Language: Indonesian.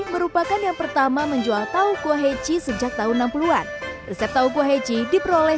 merupakan yang pertama menjual tahu kuah heci sejak tahun enam puluh an resep tahu kuah heci diperoleh